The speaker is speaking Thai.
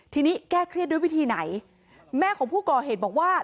ทีนี้แก้เครียดด้วยวิธีไหนแม่ของผู้ก่อเหตุบอกว่า